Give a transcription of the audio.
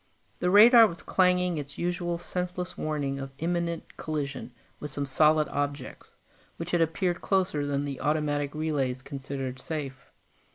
The radar was clanging its usual senseless warning of imminent collision with some solid objects, which had approached closer than the automatic relays considered safe.